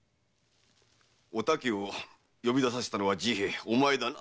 お竹を呼び出させたのは治兵衛お前だな？